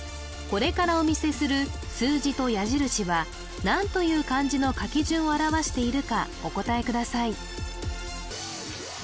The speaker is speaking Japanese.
これからお見せする数字と矢印は何という漢字の書き順を表しているかお答えください